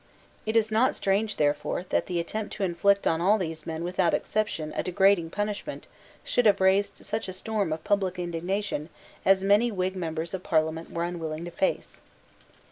It is not strange therefore that the attempt to inflict on all these men without exception a degrading punishment should have raised such a storm of public indignation as many Whig members of parliament were unwilling to face.